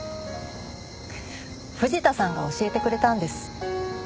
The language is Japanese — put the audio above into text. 藤田さんが教えてくれたんです。